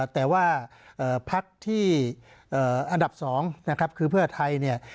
แต่ว่าพักที่อันดับ๒นะครับคือเพื่อไทยเนี่ย